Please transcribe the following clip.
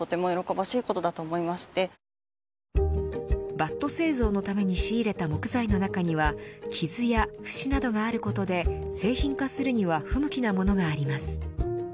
バット製造のために仕入れた木材の中には傷や節などがあることで製品化するには不向きなものがあります。